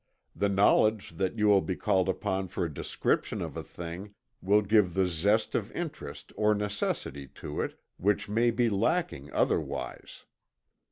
The knowledge that you will be called upon for a description of a thing will give the zest of interest or necessity to it, which may be lacking otherwise.